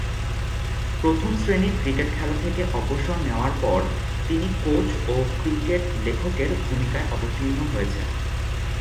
প্রথম-শ্রেণীর ক্রিকেট খেলা থেকে অবসর নেয়ার পর তিনি কোচ ও ক্রিকেট লেখকের ভূমিকায় অবতীর্ণ হয়েছেন।